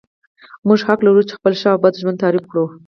موږ حق لرو چې خپل ښه او بد ژوند تعریف کړو.